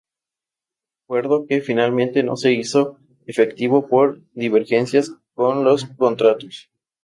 Acuerdo que finalmente no se hizo efectivo por divergencias con los contratos.